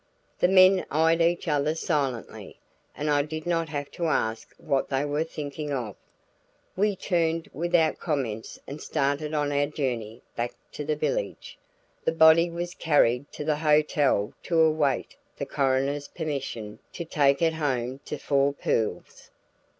The men eyed each other silently, and I did not have to ask what they were thinking of. We turned without comments and started on our journey back to the village. The body was carried to the hotel to await the coroner's permission to take it home to Four Pools.